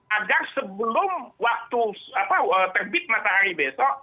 agar sebelum waktu terbit matahari besok